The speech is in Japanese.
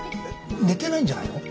寝てないんじゃないの？